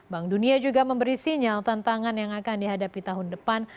bank dunia juga memberi sinyal tantangan yang akan dihadapi tahun depan